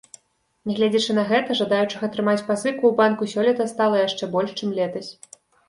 Нягледзячы на гэта, жадаючых атрымаць пазыку ў банку сёлета стала яшчэ больш, чым летась.